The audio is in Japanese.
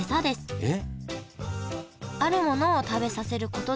えっ！？